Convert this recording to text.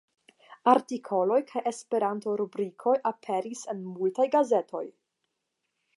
Artikoloj kaj Esperanto-rubrikoj aperis en multaj gazetoj.